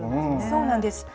そうなんです